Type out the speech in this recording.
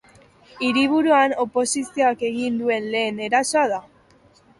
Hiriburuan oposizioak egin duen lehen erasoa da.